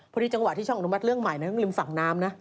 พอดีจังหวะที่ช่องอนุมัติเรื่องใหม่ต้องริมฝั่งน้ำนะ